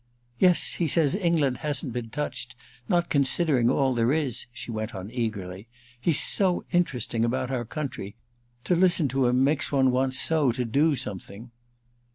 "Yes, he says England hasn't been touched—not considering all there is," she went on eagerly. "He's so interesting about our country. To listen to him makes one want so to do something."